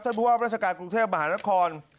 ท่านพูดว่าราชการกรุงเทพฯมหานคร